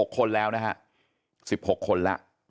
๖คนแล้วนะฮะ๑๖คนแล้ว